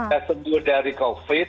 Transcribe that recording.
ya sembuh dari covid